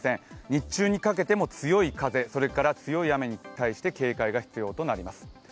日中にかけても強い風、それから強い雨に対して警戒が必要となります。